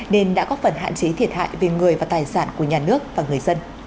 nên đã góp phần hạn chế thiệt hại về người và tài sản của nhà nước và người dân